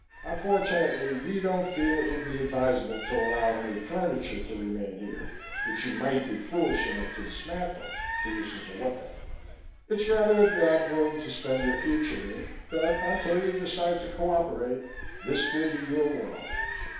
"Unfortunately, we don't feel it would be advisable to allow any furniture to remain here which you might be foolish enough to dismantle for use as a weapon. It's rather a drab room to spend your future in, but until you decide to cooperate this will be your world."